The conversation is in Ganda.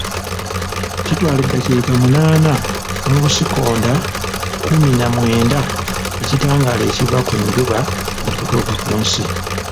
Kitwala eddakiika munaana n'obusikonda kkumi na mwenda ekitangaala ekiva ku njuba okutuuka ku nsi